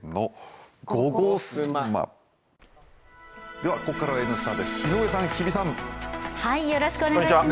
では、ここからは「Ｎスタ」です井上さん、日比さん。